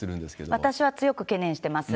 私は強く懸念してます。